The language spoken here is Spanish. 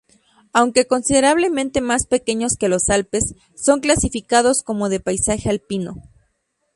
Aunque considerablemente más pequeños que los Alpes, son clasificados como de paisaje alpino.